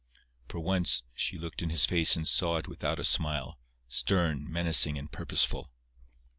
For once she looked in his face and saw it without a smile, stern, menacing and purposeful.